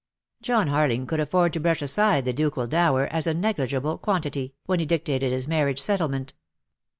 John Harling could afford to brush aside the ducal dower as a negligible quantity, when he dictated his marriage settlement.